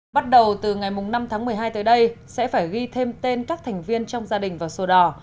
bắt đầu từ ngày năm tháng một mươi hai tới đây sẽ phải ghi thêm tên các thành viên trong gia đình vào sổ đỏ